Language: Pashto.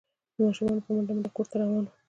ماشومان په منډه منډه کور ته روان وو۔